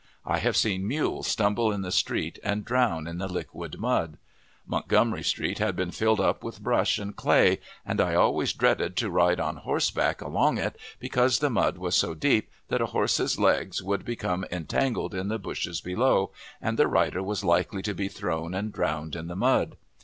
I have seen mules stumble in the street, and drown in the liquid mud! Montgomery Street had been filled up with brush and clay, and I always dreaded to ride on horseback along it, because the mud was so deep that a horse's legs would become entangled in the bushes below, and the rider was likely to be thrown and drowned in the mud.